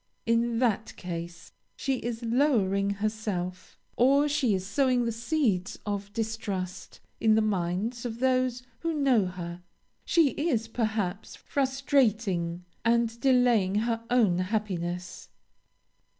In that case, she is lowering herself, or she is sowing the seeds of distrust in the minds of those who know her she is, perhaps, frustrating and delaying her own happiness.